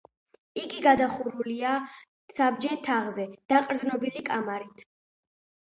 იგი გადახურულია საბჯენ თაღზე დაყრდნობილი კამარით.